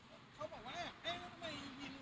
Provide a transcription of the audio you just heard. เขาบอกว่าเออแล้วทำไมวินมีผู้ชมัดแก๊ปด้วยล่ะ